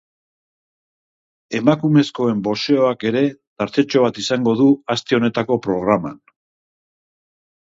Emakumezkoen boxeoak ere tartetxo bat izango du aste honetako programan.